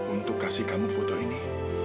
untuk kasih kamu foto ini